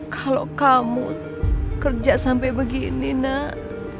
kalo kamu kerja sampe begini nak